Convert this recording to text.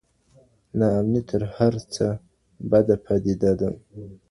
نا امني تر هر څه بده پدیده ده.